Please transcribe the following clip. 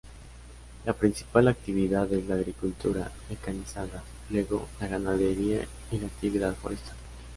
La principal actividad es la agricultura mecanizada, luego la ganadería y la actividad forestal.